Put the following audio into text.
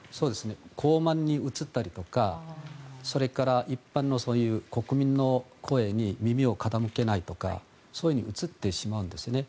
傲慢に映ったりとかそれから、一般の国民の声に耳を傾けないとかそういうふうに映ってしまうんですね。